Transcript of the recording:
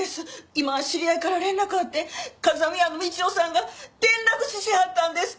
今知り合いから連絡あってかざみ屋の道夫さんが転落死しはったんですって。